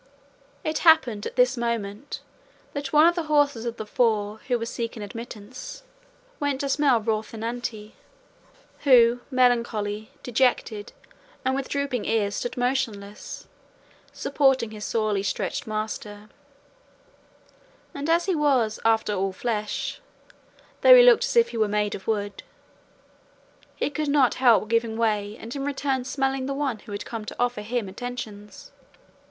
It happened at this moment that one of the horses of the four who were seeking admittance went to smell Rocinante, who melancholy, dejected, and with drooping ears stood motionless, supporting his sorely stretched master; and as he was, after all, flesh, though he looked as if he were made of wood, he could not help giving way and in return smelling the one who had come to offer him attentions.